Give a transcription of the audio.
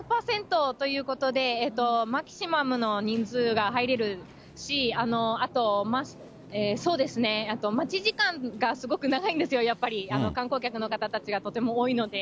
１００％ということで、マキシマムの人数が入れるし、あと、待ち時間がすごく長いんですよ、やっぱり、観光客の方たちがとても多いので。